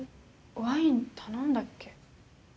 ワイン頼んだっけ？